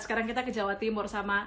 sekarang kita ke jawa timur sama